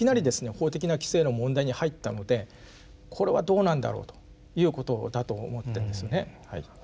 法的な規制の問題に入ったのでこれはどうなんだろうということだと思ってるんですね。